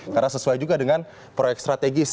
karena sesuai juga dengan proyek strategis